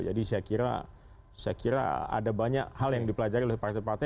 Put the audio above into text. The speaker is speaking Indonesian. jadi saya kira ada banyak hal yang dipelajari oleh partai partai